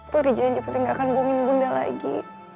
tuh dijanji putri gak akan buangin bunda lagi